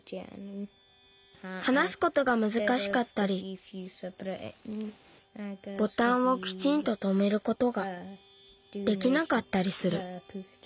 はなすことがむずかしかったりボタンをきちんととめることができなかったりする。